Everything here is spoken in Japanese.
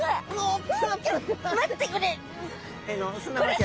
待ってこれ！